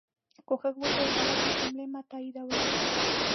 کوښښ وکړئ غلطي جملې مه تائیدوئ